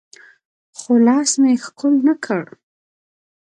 خو لاس مې يې ښکل نه کړ.